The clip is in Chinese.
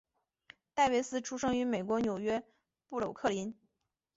戴维斯出生于美国纽约布鲁克林。